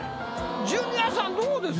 ジュニアさんどうですか？